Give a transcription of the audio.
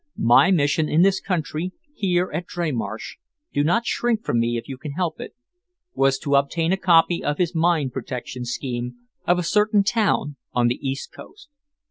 My mission in this country, here at Dreymarsh do not shrink from me if you can help it was to obtain a copy of his mine protection scheme of a certain town on the east coast."